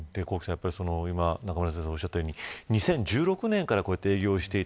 中村先生がおっしゃったように２０１６年から営業していた。